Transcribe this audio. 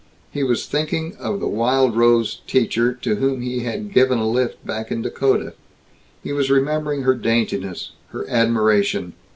He was thinking of the wild rose teacher to whom he had given a lift back in Dakota. He was remembering her daintiness, her admiration.